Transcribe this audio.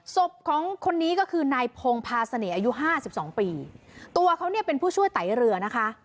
ศพของคนนี้ก็คือนายพงพาเสน่ห์อายุห้าสิบสองปีตัวเขาเนี่ยเป็นผู้ช่วยไตเรือนะคะ